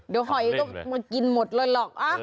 เดี๋ยวหอยก็มากินหมดเลยหรอก